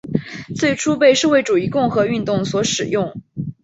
最初被社会主义共和运动所使用。